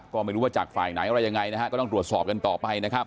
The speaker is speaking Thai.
ก็ไม่รู้ว่าจากฝ่ายไหนอะไรยังไงนะฮะก็ต้องตรวจสอบกันต่อไปนะครับ